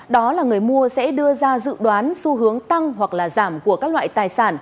đó là người mua sẽ đưa ra dự đoán xu hướng tăng hoặc là giảm của các loại tài sản